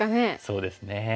そうですね。